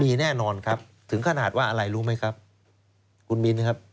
มีแน่นอนครับถึงขนาดว่าอะไรรู้ไหมครับคุณมิ้นครับ